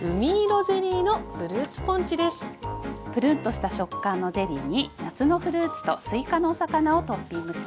プルンとした食感のゼリーに夏のフルーツとすいかのお魚をトッピングします。